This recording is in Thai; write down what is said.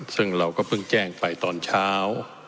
ซึ่งเราก็เพิ่งแจ้งไปตอนเช้า